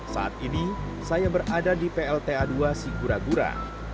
saat ini saya berada di plta dua sigura gura